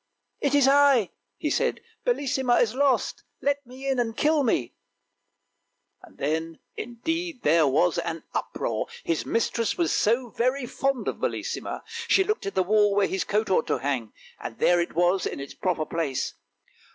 " It is I," he said. " Bellissima is lost ; let me in and kill me!" Then, indeed, there was an uproar, his mistress was so very fond of Bellissima; she looked at the wall where his coat ought to hang, and there it was, in its proper place.